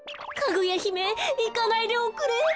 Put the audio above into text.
かぐやひめいかないでおくれ。